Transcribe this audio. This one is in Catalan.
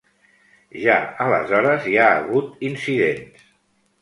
Ja aleshores hi ha hagut incidents.